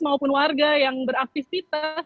maupun warga yang beraktivitas